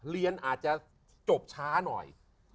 เรียนอาจจะจบช้าหน่อย